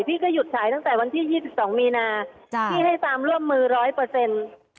พี่ก็หยุดฉายตั้งแต่วันที่๒๒มีนาจ้ะพี่ให้ความร่วมมือร้อยเปอร์เซ็นต์